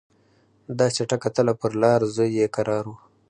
دا چټکه تله پر لار زوی یې کرار وو